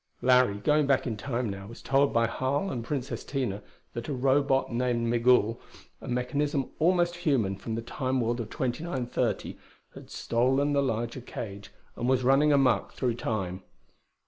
Larry, going back in Time now, was told by Harl and Princess Tina that a Robot named Migul a mechanism almost human from the Time world of 2930 had stolen the larger cage and was running amuck through Time.